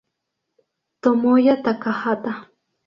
Tomoya Takahata